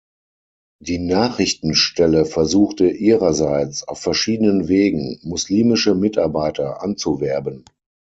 Die Nachrichtenstelle versuchte ihrerseits auf verschiedenen Wegen, muslimische Mitarbeiter anzuwerben.